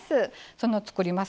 その作ります